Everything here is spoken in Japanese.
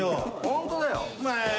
ホントだよ。